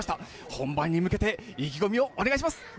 本番に向けて、意気込みをお願いします。